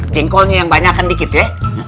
jengkolnya yang banyak kan dikit ya